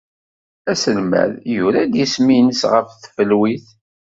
Aselmad yura-d isem-nnes ɣef tfelwit.